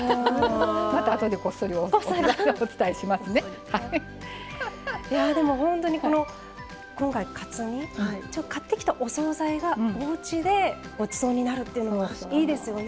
またあとで、こっそり本当に今回カツ煮買ってきたお総菜がおうちで、ごちそうになるっていいですよね。